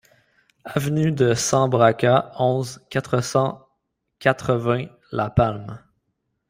Avenue de San Brancat, onze, quatre cent quatre-vingts La Palme